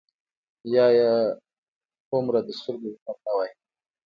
یا یې هومره د سترګو ظلم نه وای.